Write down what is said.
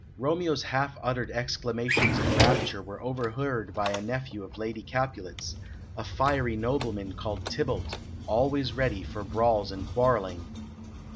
Romeo's half uttered exclamations of rapture were overheard by a nephew of Lady Capulet's, a fiery nobleman called Tybalt, always ready for brawls and quarrelling.